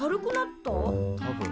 たぶん。